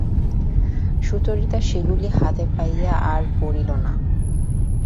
সুচরিতা সেগুলি হাতে পাইয়া আর পড়িল না, বাক্সের মধ্যে রাখিয়া দিল।